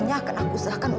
maka apa kamu sudah berethis